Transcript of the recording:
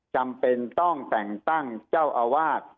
จำเป็นต้องแต่งตั้งเจ้าอาวาส